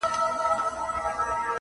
سواهد ټول راټولوي,